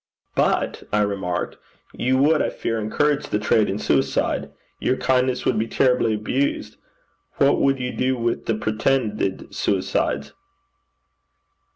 'But,' I remarked, 'you would, I fear, encourage the trade in suicide. Your kindness would be terribly abused. What would you do with the pretended suicides?'